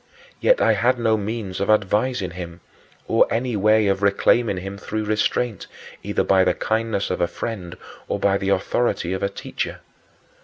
Yet I had no means of advising him, or any way of reclaiming him through restraint, either by the kindness of a friend or by the authority of a teacher.